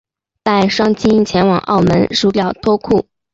带双亲前往澳门输到脱裤